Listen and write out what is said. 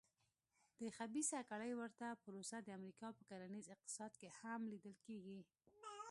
د خبیثه کړۍ ورته پروسه د امریکا په کرنیز اقتصاد کې هم لیدل کېږي.